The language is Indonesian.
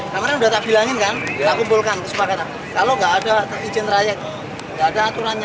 kemarin udah tak bilangin kan aku bolkan kesepakatan kalau gak ada izin raya gak ada aturannya